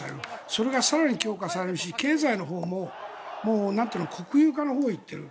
それが更に強化されるし経済のほうも国有化のほうへ行っている。